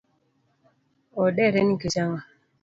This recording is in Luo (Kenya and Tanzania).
Odere nikech ang’o?